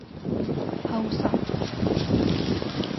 Hausa